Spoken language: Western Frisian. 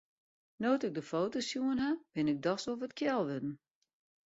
No't ik de foto's sjoen ha, bin ik dochs wol wat kjel wurden.